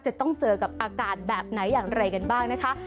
จะต้องเจอกับอากาศแบบไหนอย่างไรกันบ้างนะคะ